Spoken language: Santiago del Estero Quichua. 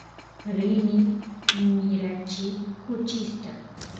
rini mirachiy kuchista